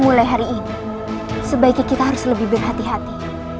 mulai hari ini sebaiknya kita harus lebih berhati hati